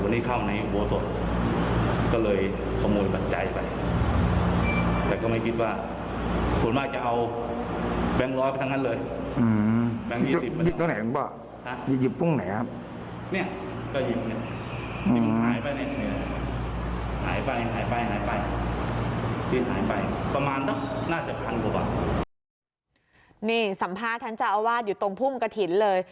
นี่สัมภาษณ์ท่านเจ้าอาวาสอยู่ตรงพุ่มกระถิ่นเลย